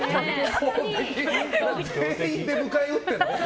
全員で迎え撃ってるの？